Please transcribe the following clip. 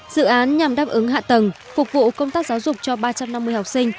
dự án nhằm đáp ứng hạ tầng phục vụ công tác giáo dục cho ba trăm năm mươi học sinh